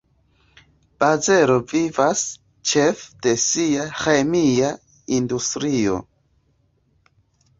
Bazelo vivas ĉefe de sia ĥemia industrio.